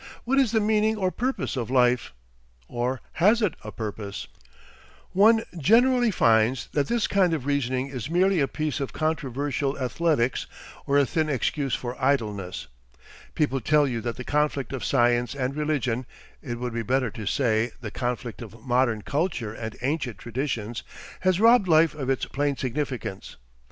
What is the meaning or purpose of life? Or has it a purpose? "One generally finds that this kind of reasoning is merely a piece of controversial athletics or a thin excuse for idleness. People tell you that the conflict of science and religion it would be better to say, the conflict of modern culture and ancient traditions has robbed life of its plain significance.